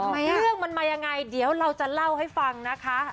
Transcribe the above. เรื่องมันมายังไงเดี๋ยวเราจะเล่าให้ฟังนะคะ